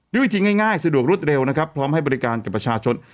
วิธีง่ายสะดวกรวดเร็วนะครับพร้อมให้บริการกับประชาชน